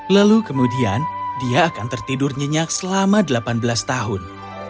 lalu kemudian dia akan tertidur nyenyak selama delapan belas tahun